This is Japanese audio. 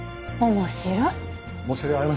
面白い。